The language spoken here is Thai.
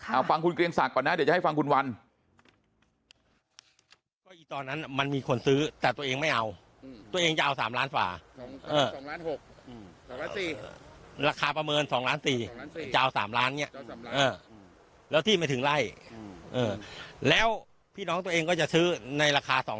เอาฟังคุณเกรียงศักดิ์ก่อนนะเดี๋ยวจะให้ฟังคุณวัน